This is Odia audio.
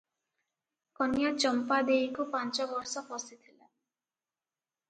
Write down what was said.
କନ୍ୟା ଚମ୍ପା ଦେଇକୁ ପାଞ୍ଚ ବର୍ଷ ପଶିଥିଲା ।